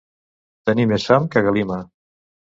Tenir més fam que Galima.